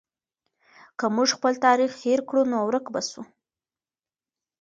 که موږ خپل تاریخ هېر کړو نو ورک به سو.